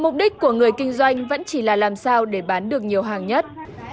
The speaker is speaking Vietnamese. mục đích của người kinh doanh vẫn chỉ là làm sao để bán được nhiều hàng nhất